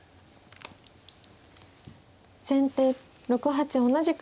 先手６八同じく飛車。